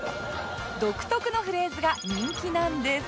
独特のフレーズが人気なんです